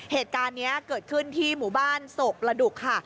เหตุการณ์นี้เกิดขึ้นที่หมู่บ้านโศกระดุกค่ะ